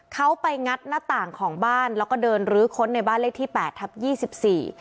เขาไปงัดหน้าต่างของบ้านแล้วก็เดินลื้อค้นในบ้านเลขที่แปดทับยี่สิบสี่